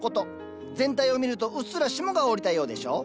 全体を見るとうっすら霜が降りたようでしょ。